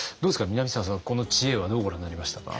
南沢さんはこの知恵はどうご覧になりましたか？